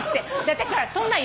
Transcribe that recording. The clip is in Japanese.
私ほらそんなん